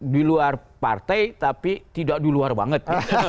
diluar partai tapi tidak diluar banget